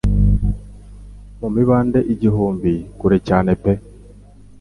Mu mibande igihumbi kure cyane pe